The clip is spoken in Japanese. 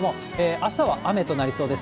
あしたは雨となりそうです。